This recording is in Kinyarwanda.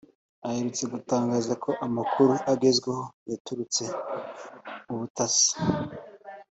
aherutse gutangaza ko amakuru agezwaho yaturutse mu butasi